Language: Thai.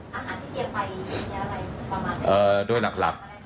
อาหารที่เตรียมไปมีอะไรประมาณอะไร